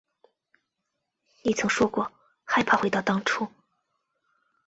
你曾说过害怕回到当初